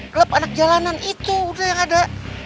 klub anak jalanan itu yang ada